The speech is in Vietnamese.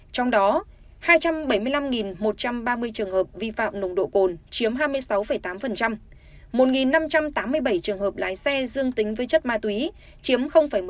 trong đó hai trăm bảy mươi năm một trăm ba mươi trường hợp vi phạm nồng độ cồn chiếm hai mươi sáu tám một năm trăm tám mươi bảy trường hợp lái xe dương tính với chất ma túy chiếm một mươi chín